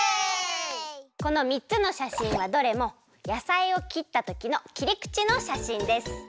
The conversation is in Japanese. この３つのしゃしんはどれもやさいをきったときのきりくちのしゃしんです。